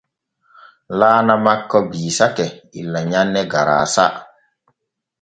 Laana makko biisake illa nyanne garaasa.